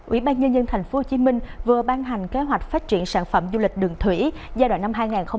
ủy ban nhân dân tp hcm vừa ban hành kế hoạch phát triển sản phẩm du lịch đường thủy giai đoạn năm hai nghìn hai mươi hai nghìn hai mươi năm